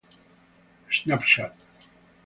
Snapchat